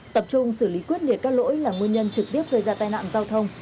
tập trung xử lý quyết liệt các lỗi là nguyên nhân trực tiếp gây ra tai nạn giao thông